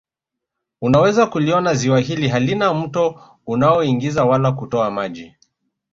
Unaweza kuliona Ziwa hili halina mto unaoingiza wala kutoa maji